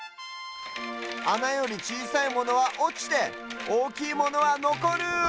あなよりちいさいものはおちておおきいものはのこる！